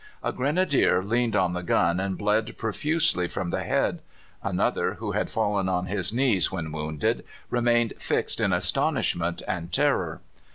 "A Grenadier leaned on the gun and bled profusely from the head; another, who had fallen on his knees when wounded, remained fixed in astonishment and terror.